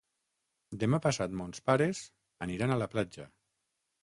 Demà passat mons pares aniran a la platja.